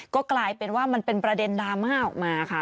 ก็กลายเป็นว่ามันเป็นประเด็นดราม่าออกมาค่ะ